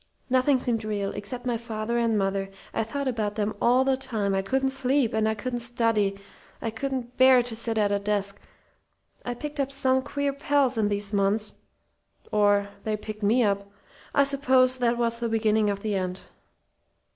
Nothing seemed real, except my father and mother. I thought about them all the time. I couldn't sleep, and I couldn't study. I couldn't bear to sit at a desk. I picked up some queer pals in those months or they picked me up. I suppose that was the beginning of the end.